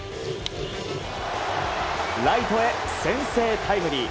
ライトへ先制タイムリー。